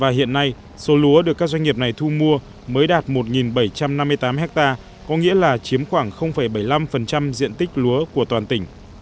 và hiện nay số lúa được các doanh nghiệp này thu mua mới đạt một bảy trăm năm mươi tám ha có nghĩa là chiếm khoảng bảy mươi năm diện tích lúa của toàn tỉnh